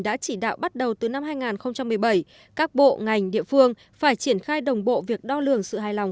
đã chỉ đạo bắt đầu từ năm hai nghìn một mươi bảy các bộ ngành địa phương phải triển khai đồng bộ việc đo lường sự hài lòng